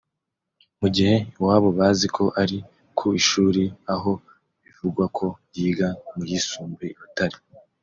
mu gihe iwabo bazi ko ari ku ishuri aho bivugwa ko yiga mu yisumbuye i Butare